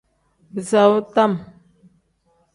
Bisaawu tam.